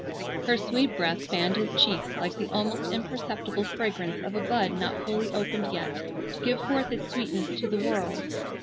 Her sweet breath fanned his cheek like the almost imperceptible fragrance of a bud not fully opened yet to give forth its sweetness to the world.